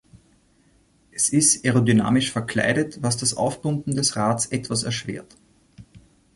Es ist aerodynamisch verkleidet, was das Aufpumpen des Rads etwas erschwert.